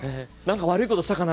悪いことしたかな？